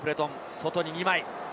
外に２枚。